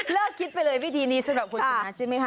คิดไปเลยวิธีนี้สำหรับคุณชนะใช่ไหมคะ